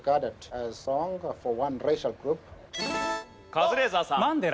カズレーザーさん。